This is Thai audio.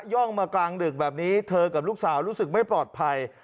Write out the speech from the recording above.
่องมากลางดึกแบบนี้เธอกับลูกสาวรู้สึกไม่ปลอดภัย